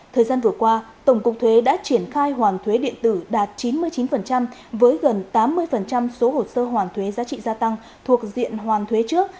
thời gian vừa qua tổng cục thuế đã triển khai hoàn thuế điện tử đạt chín mươi chín với gần tám mươi số hồ sơ hoàn thuế giá trị gia tăng thuộc diện hoàn thuế trước